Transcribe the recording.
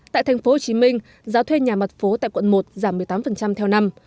tại thành phố hồ chí minh giá thuê nhà mặt phố tại quận một giảm một mươi tám theo năm